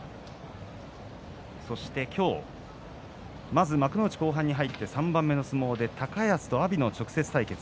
そして土俵まず幕内後半に入って３番目の相撲で高安と阿炎の直接対決。